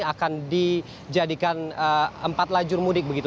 akan dijadikan empat lajur mudik begitu